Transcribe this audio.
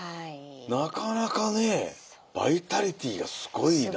なかなかねえバイタリティーがすごいなと。